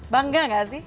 bangga enggak sih